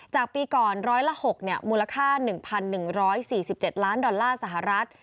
จากปีก่อนร้อยละ๖มูลค่า๑๑๔๗ล้านดอลลาร์สหรัฐ